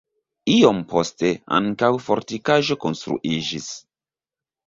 Iom poste ankaŭ fortikaĵo konstruiĝis.